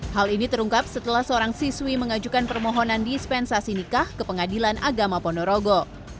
hal ini terungkap setelah seorang siswi mengajukan permohonan dispensasi nikah ke pengadilan agama ponorogo